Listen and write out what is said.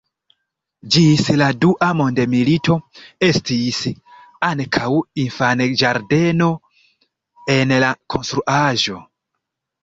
Ĝis la Dua mondmilito estis ankaŭ infanĝardeno en la konstruaĵo.